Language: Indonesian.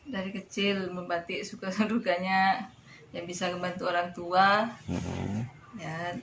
dari kecil membatik suka dukanya yang bisa membantu orang tua